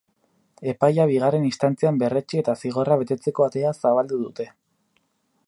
Epaia bigarren instantzian berretsi eta zigorra betetzeko atea zabaldu dute.